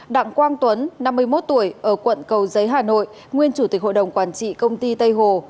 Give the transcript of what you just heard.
đặng quang tuấn năm mươi một tuổi ở quận cầu giấy hà nội nguyên chủ tịch hội đồng quản trị công ty tây hồ